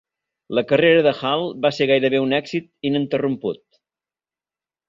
La carrera de Hall va ser gairebé un èxit ininterromput.